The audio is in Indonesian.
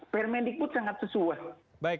permendikbud sangat sesuai